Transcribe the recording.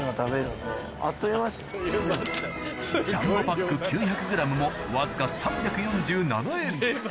ジャンボパック９００ｇもわずか３４７円